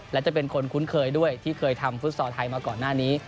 และจะเป็นคนคุ้นเคยด้วยที่เคยทำฟุตซอลไทยมาก่อนหน้านี้